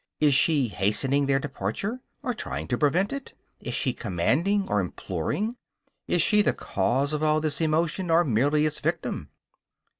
Is she hastening their departure, or trying to prevent it? Is she commanding or imploring? Is she the cause of all this emotion, or merely its victim?